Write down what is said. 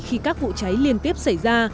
khi các vụ cháy liên tiếp xảy ra